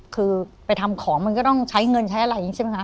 คือไปทำของมันก็ต้องใช้เงินใช้อะไรใช่ไหมฮะ